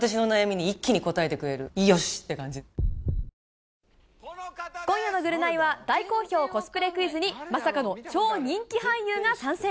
「ビオレ」今夜のぐるナイは大好評、コスプレクイズに、まさかの超人気俳優が参戦。